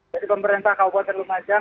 jadi pemerintah kabupaten lumajang